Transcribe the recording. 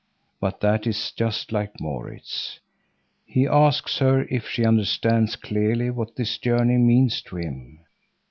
But that is just like Maurits. He asks her if she understands clearly what this journey means to him.